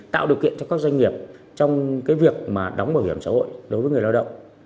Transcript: tạo điều kiện cho các doanh nghiệp trong cái việc mà đóng bảo hiểm xã hội đối với người lao động